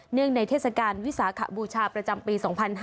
งในเทศกาลวิสาขบูชาประจำปี๒๕๕๙